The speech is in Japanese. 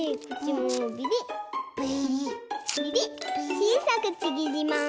ちいさくちぎります。